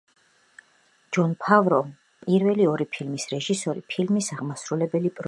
ჯონ ფავრო, პირველი ორი ფილმის რეჟისორი, ფილმის აღმასრულებელი პროდიუსერია.